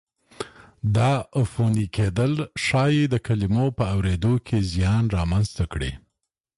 دا عفوني کېدل ښایي د کلمو په اورېدو کې زیان را منځته کړي.